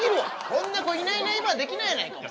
こんな子いないいないばあできないやないかお前。